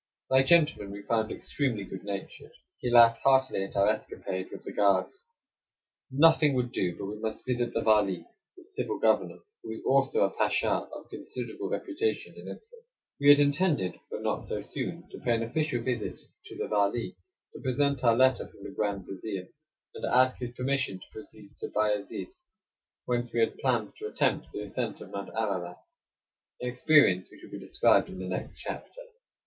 That gentleman we found extremely good natured; he laughed heartily at our escapade with the guards. Nothing would do but we must visit the Vali, the civil governor, who was also a pasha of considerable reputation and influence. We had intended, but not so soon, to pay an official visit to the Vali to present our letter from the Grand Vizir, and to ask his permission to proceed to Bayazid, whence we had planned to attempt the ascent of Mount Ararat, an experience which will be described in the next chapter.